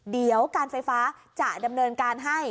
เดี๋ยวการไฟฟ้าจะดำเนินการให้